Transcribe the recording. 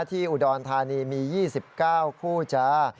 ที่อุดรธานีมี๒๙คู่จ้า